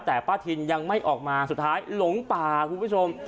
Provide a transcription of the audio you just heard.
แต่ป้าทินยังไม่ออกมาสุดท้ายหลงป่าคุณผู้ชม